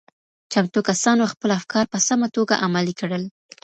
چمتو کسانو خپل افکار په سمه توګه عملي کړل.